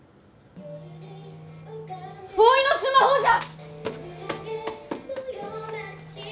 おいのスマホじゃ！